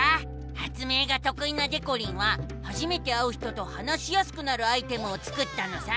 発明がとくいなでこりんは初めて会う人と話しやすくなるアイテムを作ったのさ！